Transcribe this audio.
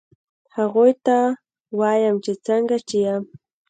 هغوی ته وایم چې څنګه چې یم